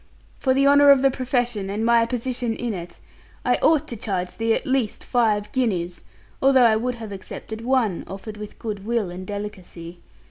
For the honour of the profession, and my position in it, I ought to charge thee at least five guineas, although I would have accepted one, offered with good will and delicacy.